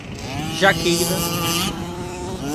Jaqueira